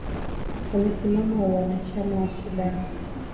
Wamesimamisha uanachama wa Sudan